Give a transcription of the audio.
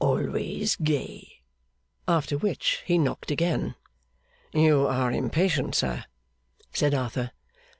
Always gay!' After which he knocked again. 'You are impatient, sir,' said Arthur.